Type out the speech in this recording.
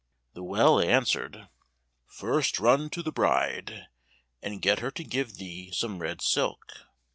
The well answered, "First run to the bride, and get her to give thee some red silk."